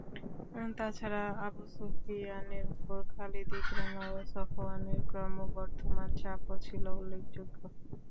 তাছাড়া আবু সুফিয়ানের উপর খালিদ, ইকরামা এবং সফওয়ানের ক্রমবর্ধমান চাপও ছিল উল্লেখযোগ্য।